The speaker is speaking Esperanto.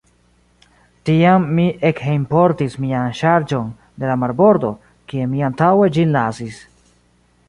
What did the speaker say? Tiam mi ekhejmportis mian ŝarĝon de la marbordo, kie mi antaŭe ĝin lasis.